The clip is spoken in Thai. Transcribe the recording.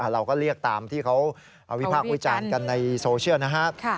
เราก็เรียกตามที่เขาวิพากษ์วิจารณ์กันในโซเชียลนะครับ